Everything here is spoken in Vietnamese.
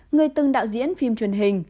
người từng đạo diễn phim truyền hình